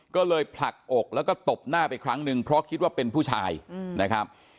ก็เลยผลักอกแล้วก็ตบหน้าไปครั้งหนึ่งเพราะคิดว่าเป็นผู้ชายนะครับ